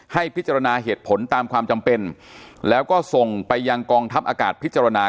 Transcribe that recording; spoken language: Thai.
ให้พิจารณาเหตุผลตามความจำเป็นแล้วก็ส่งไปยังกองทัพอากาศพิจารณา